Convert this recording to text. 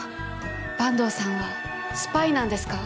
坂東さんはスパイなんですか？